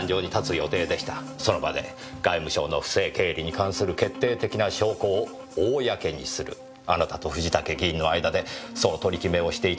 その場で外務省の不正経理に関する決定的な証拠を公にするあなたと藤竹議員の間でそう取り決めをしていたのではありませんか？